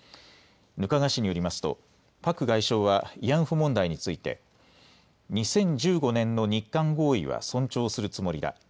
額賀氏によりますとパク外相は慰安婦問題について２０１５年の日韓合意は尊重するつもりだ。